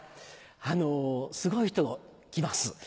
あのすごい人来ます。